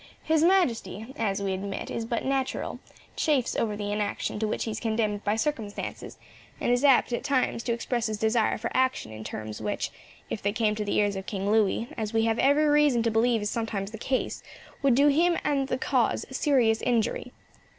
His Majesty, as we admit is but natural, chafes over the inaction to which he is condemned by circumstances; and is apt, at times, to express his desire for action in terms which, if they came to the ears of King Louis, as we have every reason to believe is sometimes the case, would do him and the cause serious injury.